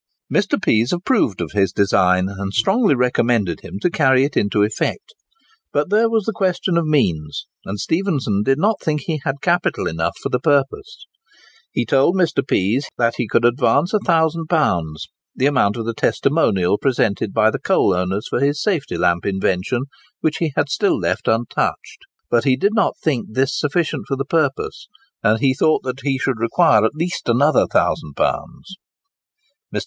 Mr. Pease approved of his design, and strongly recommended him to carry it into effect. But there was the question of means; and Stephenson did not think he had capital enough for the purpose. He told Mr. Pease that he could advance £1000—the amount of the testimonial presented by the coal owners for his safety lamp invention, which he had still left untouched; but he did not think this sufficient for the purpose, and he thought that he should require at least another £1000. Mr.